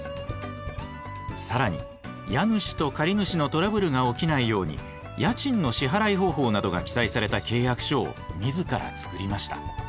更に家主と借主のトラブルが起きないように家賃の支払い方法などが記載された契約書を自ら作りました。